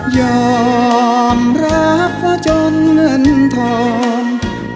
ยอมรับว่าจนเงินทอง